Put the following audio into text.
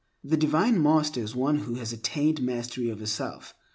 The divine master is one who has attained mastery over self.